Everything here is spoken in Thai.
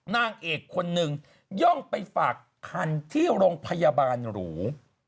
นางเอกคนหนึ่งย่องไปฝากคันที่โรงพยาบาลหรู